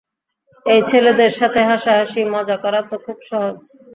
এই ছেলেদের সাথে হাসা-হাসি, মজা করা তো খুব সহজ।